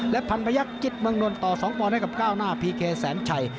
และพันพยักษิตเมืองนนทต่อ๒ปอนให้กับก้าวหน้าพีเคแสนชัย